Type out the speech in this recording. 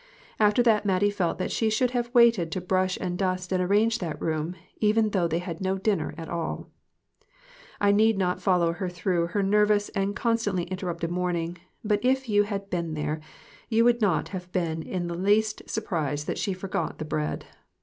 After that Mattie felt that she should have waited to brush and dust and arrange that room, even though they had no dinner at all ! I need not follow her through her nervous and constantly interrupted morning ; but if you had been there, you would not have been in the least surprised that she forgot the bread.